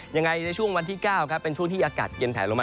ในช่วงวันที่๙ครับเป็นช่วงที่อากาศเย็นแผลลงมา